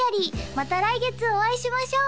また来月お会いしましょう！